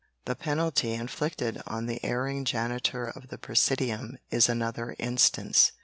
The penalty inflicted on the erring janitor of the Presidium is another instance.